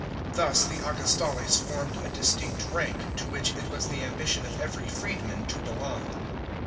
Thus the Augustales formed a distinct rank, to which it was the ambition of every freedman to belong.